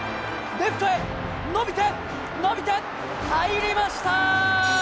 レフトへ、伸びて、伸びて、入りました。